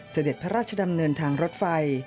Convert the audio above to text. เสด็จพระราชดำเนินทางรถไฟ